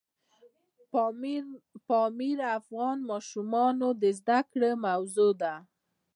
پامیر د افغان ماشومانو د زده کړې موضوع ده.